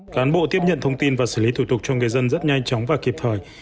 cán bộ tiếp nhận thông tin và xử lý thủ tục cho người dân rất nhanh chóng và kịp thời